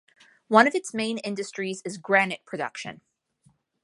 One of its main industries is granite production.